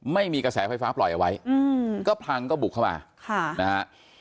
ไม่มีกระแสไฟฟ้าปล่อยเอาไว้อืมก็พลังก็บุกเข้ามาค่ะนะฮะ